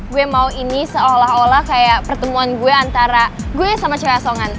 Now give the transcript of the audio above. gue mau ini seolah olah kayak pertemuan gue antara gue sama cewek asongan